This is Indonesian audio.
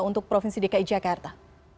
untuk provinsi dki jakarta